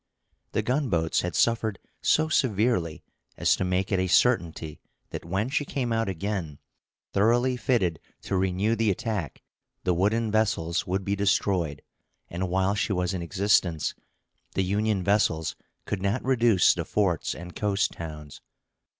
The gunboats had suffered so severely as to make it a certainty that when she came out again, thoroughly fitted to renew the attack, the wooden vessels would be destroyed; and while she was in existence, the Union vessels could not reduce the forts and coast towns.